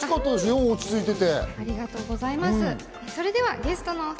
落ち着いていて。